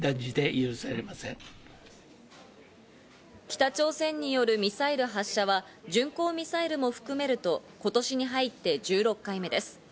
北朝鮮によるミサイル発射は、巡航ミサイルを含めると今年に入って１６回目です。